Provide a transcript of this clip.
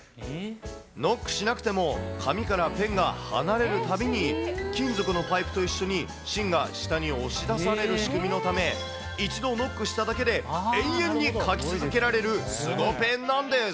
ノックしなくても、紙からペンが離れるたびに、金属のパイプと一緒に芯が下に押し出される仕組みのため、一度ノックしただけで、永遠に書き続けられるスゴＰＥＮなんです。